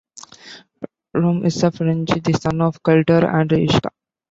Rom is a Ferengi, the son of Keldar and Ishka.